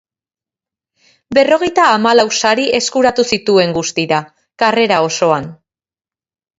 Berrogeita hamalau sari eskuratu zituen, guztira, karrera osoan.